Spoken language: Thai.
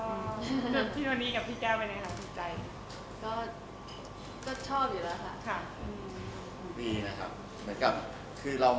วันนี้กับพี่แก้วเป็นยังไงครับสุดใจ